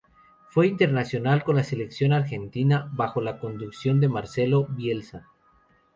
Fue internacional con la selección argentina, bajo la conducción de Marcelo Bielsa.